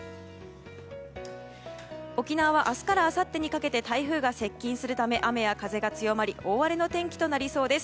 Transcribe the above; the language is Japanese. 沖縄は明日からあさってにかけて台風が近づくため雨や風が強まり大荒れの天気となりそうです。